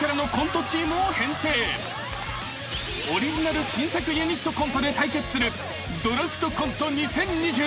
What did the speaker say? ［オリジナル新作ユニットコントで対決する『ドラフトコント２０２２』］